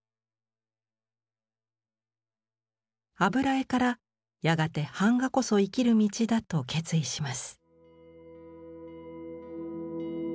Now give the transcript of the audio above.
油絵からやがて板画こそ生きる道だと決意します。